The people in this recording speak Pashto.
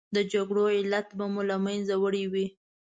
د جګړو علت به مو له منځه وړی وي.